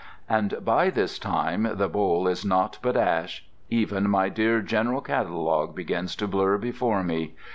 And by this time the bowl is naught but ash. Even my dear General Catalogue begins to blur before me.